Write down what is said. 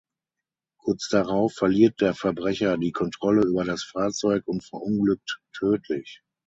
Kurz darauf verliert der Verbrecher die Kontrolle über das Fahrzeug und verunglückt tödlich.